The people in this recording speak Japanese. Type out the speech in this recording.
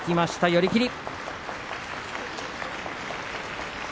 寄り切り。